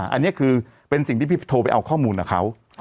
อันนี้คือเป็นสิ่งที่พี่โทรไปเอาข้อมูลกับเขา